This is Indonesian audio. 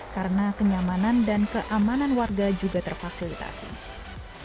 karena kenyamanan dan keamanan warga juga terfasilitasi